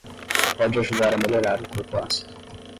Pode ajudar a melhorar o corpo ácido